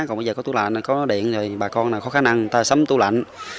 còn bây giờ có túi lạnh có điện rồi bà con có khả năng người ta sắm túi lạnh